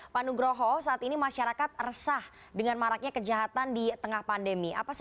pak nugroho saat ini masyarakat resah dengan maraknya kejahatan di tengah pandemi